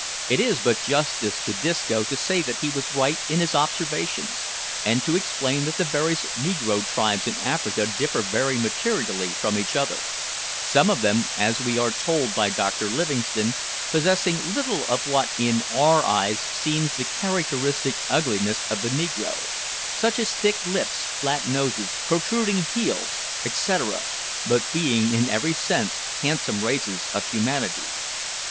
It is but justice to Disco to say that he was right in his observations, and to explain that the various negro tribes in Africa differ very materially from each other; some of them, as we are told by Dr Livingstone, possessing little of what, in our eyes, seems the characteristic ugliness of the negro such as thick lips, flat noses, protruding heels, etcetera, but being in every sense handsome races of humanity.